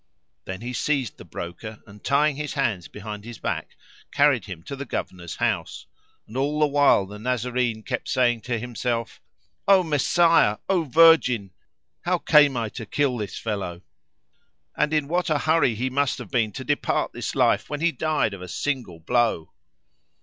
Then he seized the Broker and, tying his hands behind his back, carried him to the Governor's house,[FN#507] and all the while the Nazarene kept saying to himself, "O Messiah! O Virgin! how came I to kill this fellow? And in what a hurry he must have been to depart this life when he died of a single blow!"